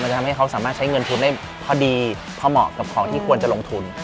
จะทำให้เขาสามารถใช้เงินทุนได้พอดีพอเหมาะกับของที่ควรจะลงทุน